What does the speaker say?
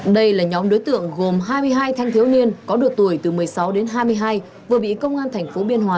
đây là nhóm đối tượng gồm hai mươi hai thanh thiếu niên có độ tuổi từ một mươi sáu đến hai mươi hai vừa bị công an tp biên hòa